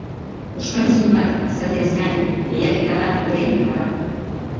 Ospakizun bat izateaz gain, lehiaketa bat ere bada.